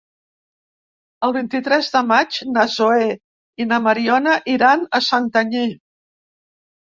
El vint-i-tres de maig na Zoè i na Mariona iran a Santanyí.